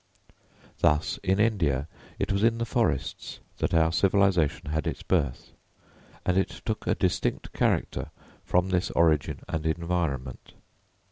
Thus in India it was in the forests that our civilisation had its birth, and it took a distinct character from this origin and environment.